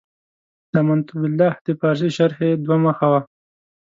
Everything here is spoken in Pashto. د امنت بالله د پارسي شرحې دوه مخه و.